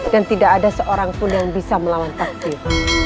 dan tidak ada seorang pun yang bisa melawan takdir